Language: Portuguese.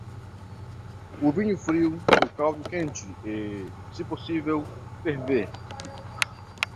O vinho frio e o caldo quente e, se possível, ferver.